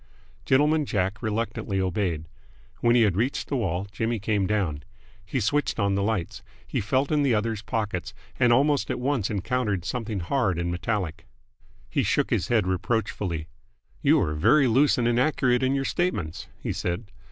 Gentleman Jack reluctantly obeyed. When he had reached the wall, Jimmy came down. He switched on the lights. He felt in the other's pockets, and almost at once encountered something hard and metallic. He shook his head reproachfully. "You are very loose and inaccurate in your statements," he said.